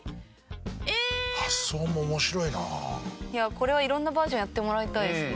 これはいろんなバージョンやってもらいたいですね。